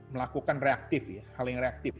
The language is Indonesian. melakukan reaktif ya hal yang reaktif